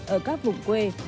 ở các vùng quê